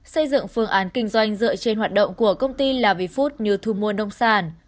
xây dựng phương án kinh doanh dựa trên hoạt động của công ty lavifood như thu mua nông sản